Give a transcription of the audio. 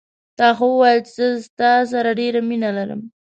تا خو ویل چې زه ستا سره ډېره مینه لرم